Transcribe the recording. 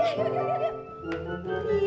ribet dia ya